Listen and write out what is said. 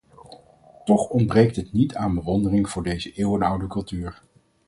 Toch ontbreekt het niet aan bewondering voor deze eeuwenoude cultuur.